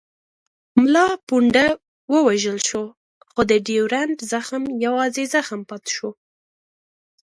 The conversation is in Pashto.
ملا پونده ووژل شو خو د ډیورنډ زخم یوازې زخم پاتې شو.